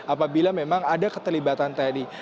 apabila memang ada keterlibatan tni